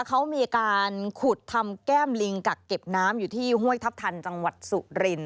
เขามีการขุดทำแก้มลิงกักเก็บน้ำอยู่ที่ห้วยทัพทันจังหวัดสุริน